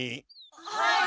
はい。